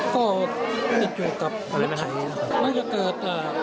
ก็ติดอยู่กับรถไถนะครับน่าจะเกิด